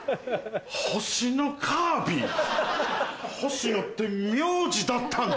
星のカービィ「星の」って名字だったんだ。